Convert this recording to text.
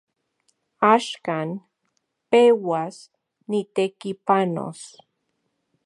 Axkan peuas nitekipanos.